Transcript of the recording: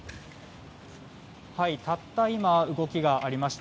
たった今動きがありました。